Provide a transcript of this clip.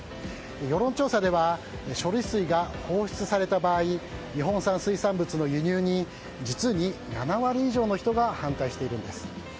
世論調査では処理水が放出された場合日本産水産物の輸入に実に７割以上が反対しているんです。